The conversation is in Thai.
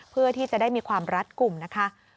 เพื่อที่จะได้มีความรัดกลุ่มนะคะ